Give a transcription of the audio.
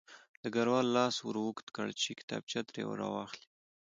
ډګروال لاس ور اوږد کړ چې کتابچه ترې راواخلي